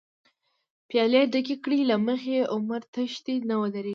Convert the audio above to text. پیالی ډکی کړه له مخی، عمر تښتی نه ودریږی